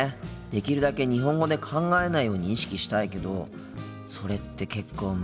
できるだけ日本語で考えないように意識したいけどそれって結構難しいよな。